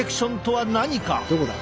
どこだ？